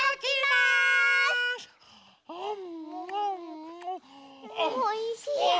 おいしい！